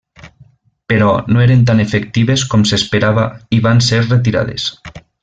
Però no eren tan efectives com s'esperava i van ser retirades.